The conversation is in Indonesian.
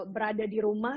berada di rumah